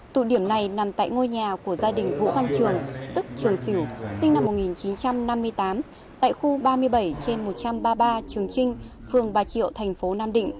tụ điểm này nằm tại ngôi nhà của gia đình vũ văn trường tức trường sửu sinh năm một nghìn chín trăm năm mươi tám tại khu ba mươi bảy trên một trăm ba mươi ba trường trinh phường bà triệu thành phố nam định